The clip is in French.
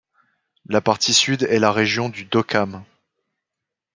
La partie sud est la région du Dokham.